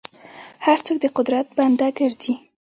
هر څوک د قدرت بنده ګرځي.